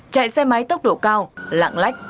chạy xe máy tốc độ cao lạng lách